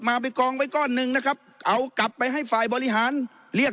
ไปกองไว้ก้อนหนึ่งนะครับเอากลับไปให้ฝ่ายบริหารเรียก